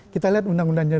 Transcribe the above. kita lihat undang undang jalan